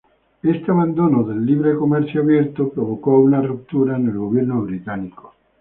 Este abandono de libre comercio abierto provocó una ruptura en el gobierno británico.